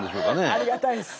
ありがたいです。